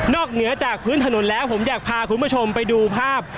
เหนือจากพื้นถนนแล้วผมอยากพาคุณผู้ชมไปดูภาพ